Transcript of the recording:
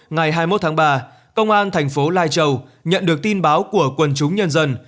ngày hai mươi một tháng ba công an thành phố lai châu nhận được tin báo của quân chúng nhân dân